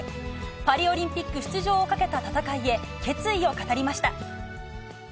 パリオリンピック出場をかけた戦いへ、決意を語りました。